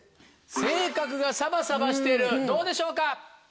性格がサバサバしてるどうでしょうか？